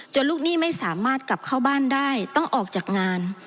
ลูกหนี้ไม่สามารถกลับเข้าบ้านได้ต้องออกจากงาน